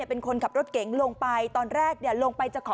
เป็นคนขับรถเก๋งลงไปตอนแรกเนี่ยลงไปจะขอ